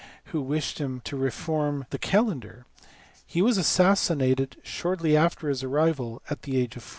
who wished him to reform the calendar. He was assassinated, shortly after his arrival, at the age of 40.